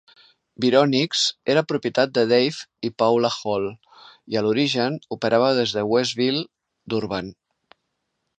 Vironix era propietat de Dave i Paula Hall i a l'origen operava des Westville, Durban.